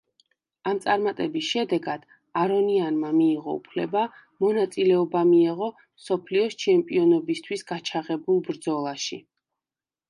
ამ წარმატების შედეგად, არონიანმა მიიღო უფლება მონაწილეობა მიეღო მსოფლიოს ჩემპიონობისთვის გაჩაღებულ ბრძოლაში.